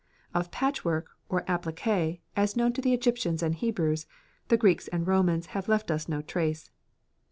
Of patchwork or appliqué, as known to the Egyptians and Hebrews, the Greeks and Romans have left us no trace.